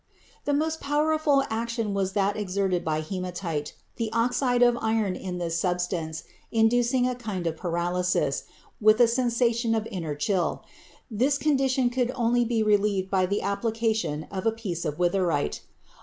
The most powerful action was that exerted by hematite, the oxide of iron in this substance inducing a kind of paralysis, with a sensation of inner chill; this condition could only be relieved by the application of a piece of witherite.